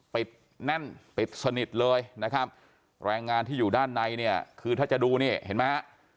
แน่นปิดสนิทเลยนะครับแรงงานที่อยู่ด้านในเนี่ยคือถ้าจะดูนี่เห็นไหมฮะ